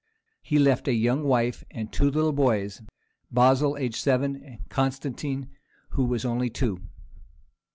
He left a young wife, and two little boys, Basil, aged seven, and Constantine, who was only two.